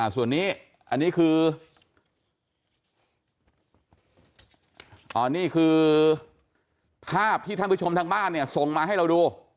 ส่วนนี้คือภาพที่ท่านผู้ชมทางบ้านเนี่ยส่งมาให้เราดู